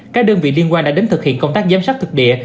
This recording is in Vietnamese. các đơn vị liên quan đã đến thực hiện công tác giám sát thực địa